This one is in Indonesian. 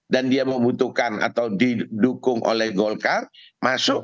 dan dia membutuhkan atau didukung oleh golkar masuk